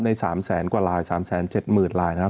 ใน๓แสนกว่าลาย๓แสน๗หมื่นลายนะครับ